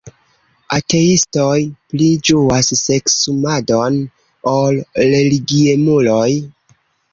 "Ateistoj pli ĝuas seksumadon ol religiemuloj."